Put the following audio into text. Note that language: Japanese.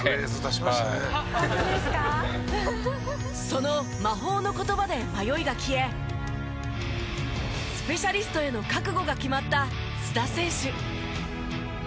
その魔法の言葉で迷いが消えスペシャリストへの覚悟が決まった須田選手。